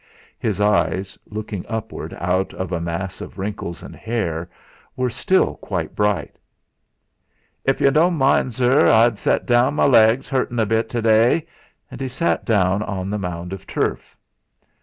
His eyes, looking upward out of a mass of wrinkles and hair, were still quite bright. "If yu don' mind, zurr, I'll zet down my leg's 'urtin' a bit today." And he sat down on the mound of turf.